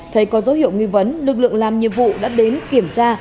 thấy có dấu hiệu nghi vấn lực lượng làm nhiệm vụ đã đến kiểm tra